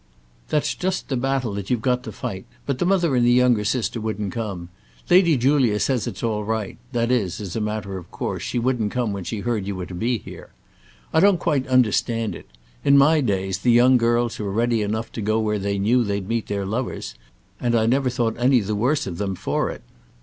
"That's just the battle that you've got to fight. But the mother and the younger sister wouldn't come. Lady Julia says it's all right; that, as a matter of course, she wouldn't come when she heard you were to be here. I don't quite understand it. In my days the young girls were ready enough to go where they knew they'd meet their lovers, and I never thought any the worse of them for it."